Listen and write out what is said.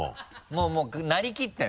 もうもうなりきってね。